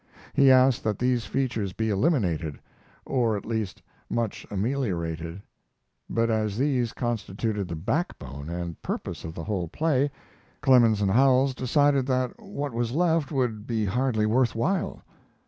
He asked that these features be eliminated, or at least much ameliorated; but as these constituted the backbone and purpose of the whole play, Clemens and Howells decided that what was left would be hardly worth while.